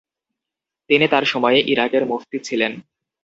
তিনি তার সময়ে ইরাকের মুফতি ছিলেন।